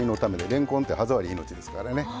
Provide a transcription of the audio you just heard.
れんこんって歯触り命ですからね。